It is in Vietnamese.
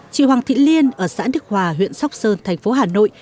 chị hoàng thị liên ở xã đức hòa huyện sóc sơn thánh phở hà nội